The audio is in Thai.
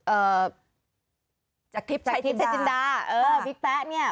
เอ่อจักทิพย์เจจินดาเออบิ๊กแป๊เนี่ย